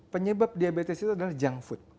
penyebab diabetes itu adalah junk food